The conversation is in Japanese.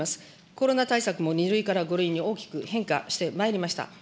コロナ対策も２類から５類に大きく変化してまいりました。